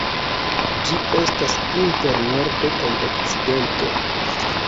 Ĝi estas inter Nordo kaj Okcidento.